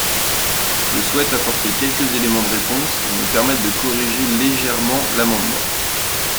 Je souhaite apporter quelques éléments de réponse et me permettre de corriger légèrement l’amendement.